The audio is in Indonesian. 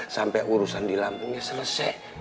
sampai urusan di lampungnya selesai